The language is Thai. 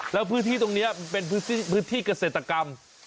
แล้วพื้นที่ตรงนี้เป็นพื้นที่เกษตรกรรม